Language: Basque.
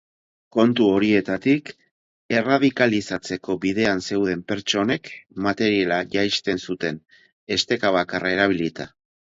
Kontu horietatik erradikalizatzeko bidean zeuden pertsonek materiala jaisten zuten, esteka bakarra erabilita.